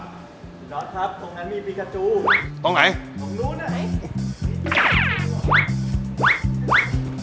บ๊วยโดรทครับตรงนั้นมีฟิกาตูตรงไหนตรงนู้นอ่ะ